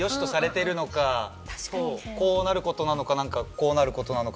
こうなることなのか何かこうなることなのか。